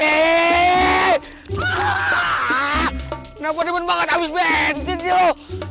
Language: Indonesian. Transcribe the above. kenapa demen banget abis bensin sih lo